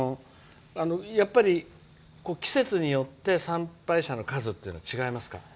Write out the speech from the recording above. やっぱり季節によって参拝者の数って違いますか？